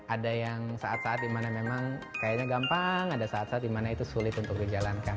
ada yang saat saat dimana memang kayaknya gampang ada saat saat dimana itu sulit untuk dijalankan